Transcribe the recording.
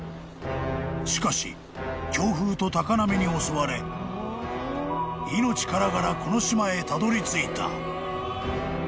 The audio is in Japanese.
［しかし強風と高波に襲われ命からがらこの島へたどりついた］